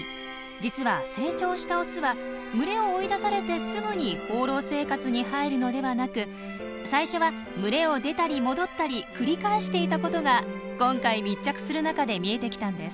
実は成長したオスは群れを追い出されてすぐに放浪生活に入るのではなく最初は群れを出たり戻ったり繰り返していたことが今回密着する中で見えてきたんです。